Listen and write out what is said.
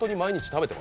食べてる！